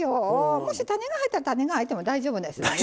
もし種が入ったら種が入っても大丈夫ですのでね。